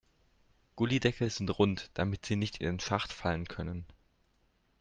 Gullydeckel sind rund, damit sie nicht in den Schacht fallen können.